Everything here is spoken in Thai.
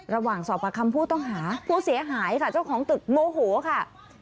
ระหว่างสอบประคำผู้ต้องหาผู้เสียหายค่ะเจ้าของตึกโมโหค่ะ